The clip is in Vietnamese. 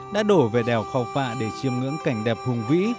đã đổ về đèo khao phạ để chiêm ngưỡng cảnh đẹp hùng vĩ